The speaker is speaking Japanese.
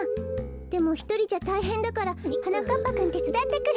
でもひとりじゃたいへんだからはなかっぱくんてつだってくれない？